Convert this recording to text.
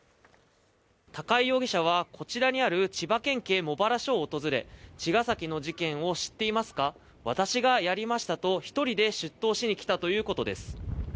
高井容疑者はこちらにある千葉県警茂原署を訪れ茅ヶ崎の事件を知っていますか私がやりましたと一人で出頭しに来たということです